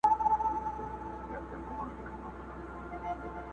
محفل به رنګین نه کي دا سوځلي وزرونه٫